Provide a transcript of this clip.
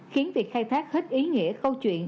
khiến việc khai thác hết ý nghĩa câu chuyện